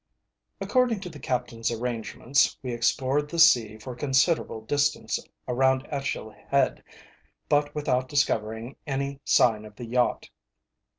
According to the captain's arrangements, we explored the sea for a considerable distance round Achil Head, but without discovering any sign of the yacht.